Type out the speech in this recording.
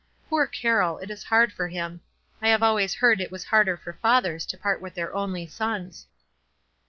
Poor Carroll ! it is hard for him. I have always heard it was harder for fathers to part with their only sons."